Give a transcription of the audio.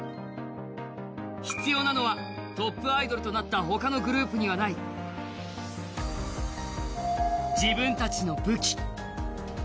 必要なのはトップアイドルとなった他のグループにはない、自分たちの武器。